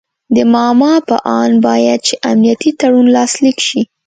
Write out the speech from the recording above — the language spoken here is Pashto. د ماما په آند باید چې امنیتي تړون لاسلیک شي.